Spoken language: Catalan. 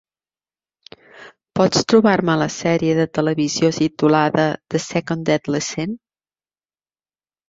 Pots trobar-me la sèrie de televisió titulada The Second Deadly Sin?